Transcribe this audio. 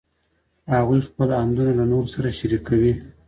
هغوی خپل اندونه له نورو سره شریکوي.